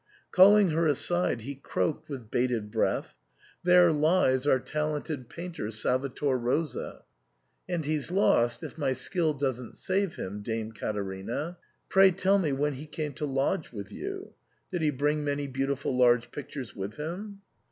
Calling her aside, he croaked with bated breath, "There lies our 68 SIGNOR FORMICA. talented painter Salvator Rosa, and he's lost if my skill doesn't save him, Dame Caterina. Pray tell me when he came to lodge with you ? Did he bring many beau tiful large pictures with him